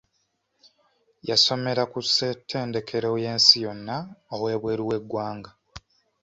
Yasomera ku ssettendekero y'ensi yonna ow'ebweru w'eggwanga.